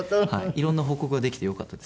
いろんな報告ができてよかったです。